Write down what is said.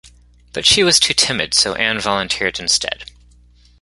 But she was too timid so Anne volunteered instead.